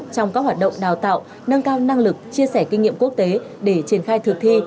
trong các hoạt động đào tạo nâng cao năng lực chia sẻ kinh nghiệm quốc tế để triển khai thực thi